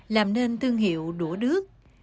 làm nên thương hiệu đũa đứt